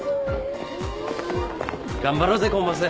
頑張ろうぜコンマス。